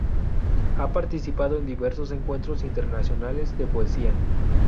Ha participado en diversos encuentros internacionales de poesía.